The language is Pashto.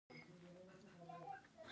دا کار د مختلفو وسایلو په مرسته کیږي.